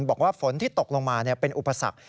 บอกว่าฝนที่ตกลงมาเป็นอุปสรรค